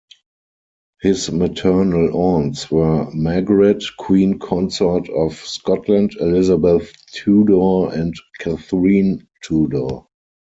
His maternal aunts were Margaret, queen consort of Scotland, Elizabeth Tudor and Katherine Tudor.